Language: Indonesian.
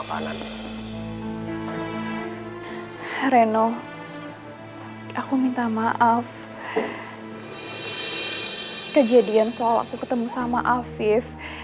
kejadian soal aku ketemu sama afif